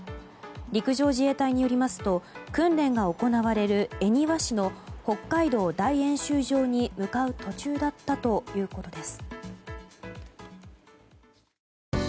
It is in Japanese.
陸上自衛隊によりますと訓練が行われる恵庭市の北海道大演習場に向かう途中だったということです。